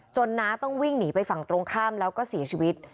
น้าต้องวิ่งหนีไปฝั่งตรงข้ามแล้วก็เสียชีวิต